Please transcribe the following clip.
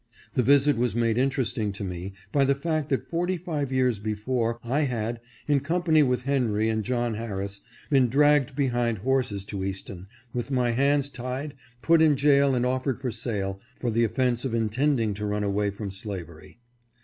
The visit was made interesting to me, by the fact that forty five years before I had, in company with Henry and John Harris, been dragged behind horses to Easton, with my hands tied, put in jail and offered for sale, for the offense of intending to run away from slavery.